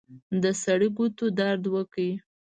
د سړي ګوتو درد وکړ.